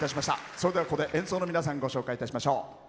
それでは、演奏の皆さんご紹介しましょう。